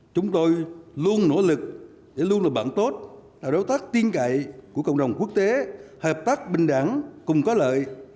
chúng tôi luôn nỗ lực để luôn là bạn tốt là đối tác tiên cậy của cộng đồng quốc tế hợp tác bình đẳng cùng có lợi